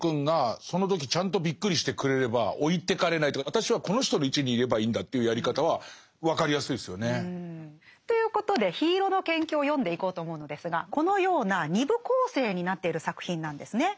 私はこの人の位置にいればいいんだというやり方は分かりやすいですよね。ということで「緋色の研究」を読んでいこうと思うのですがこのような２部構成になっている作品なんですね。